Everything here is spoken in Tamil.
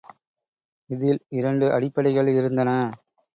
இதில் இரண்டு அடிப்படைகள் இருந்தன.